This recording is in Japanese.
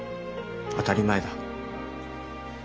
当たり前だ。